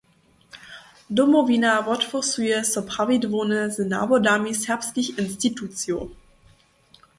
Domowina wothłosuje so prawidłowne z nawodami serbskich institucijow.